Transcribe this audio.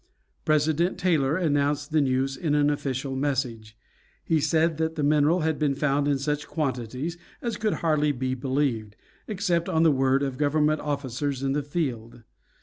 President Taylor announced the news in an official message. He said that the mineral had been found in such quantities as could hardly be believed, except on the word of government officers in the field.